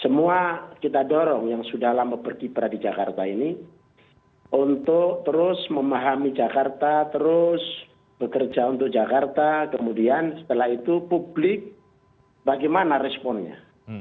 semua kita dorong yang sudah lama berkiprah di jakarta ini untuk terus memahami jakarta terus bekerja untuk jakarta kemudian setelah itu publik bagaimana responnya